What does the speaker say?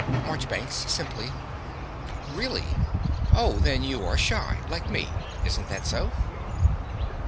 MARCHBANKS (simply). Really! Oh, then you are shy, like me. Isn't that so?